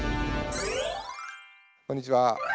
こんにちは。